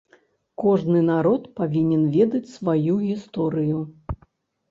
Кожны народ павінен ведаць сваю гісторыю.